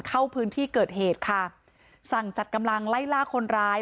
เข้าพื้นที่เกิดเหตุค่ะสั่งจัดกำลังไล่ล่าคนร้าย